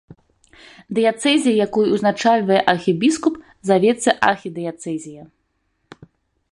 Дыяцэзія, якую ўзначальвае архібіскуп, завецца архідыяцэзія.